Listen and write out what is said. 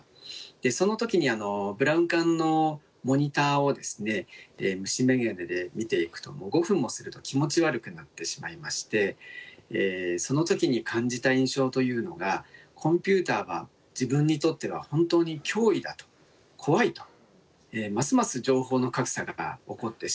その時にブラウン管のモニターをですね虫眼鏡で見ていくと５分もすると気持ち悪くなってしまいましてその時に感じた印象というのがコンピューターは自分にとっては本当に脅威だと怖いとますます情報の格差が起こってしまう。